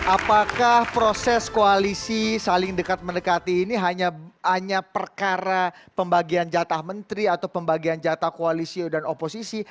apakah proses koalisi saling dekat mendekati ini hanya perkara pembagian jatah menteri atau pembagian jatah koalisi dan oposisi